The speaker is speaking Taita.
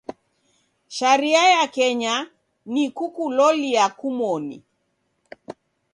Sharia ya Kenya, ni kukulolia kumoni.